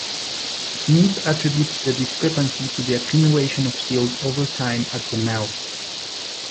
Smith attributes the discrepancy to the accumulation of silt over time at the mouth.